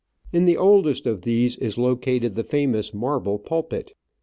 In the oldest of these is located the famous marble pulpit.